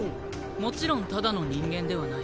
もちろんただの人間ではない。